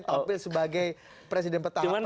tapi sebagai presiden petahana